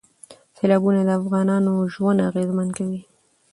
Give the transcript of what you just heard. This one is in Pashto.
سیلابونه د افغانانو ژوند اغېزمن کوي.